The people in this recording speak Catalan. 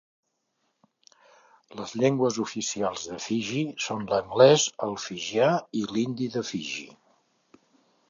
Les llengües oficials de Fiji són l'anglès, el fijià i l'hindi de Fiji.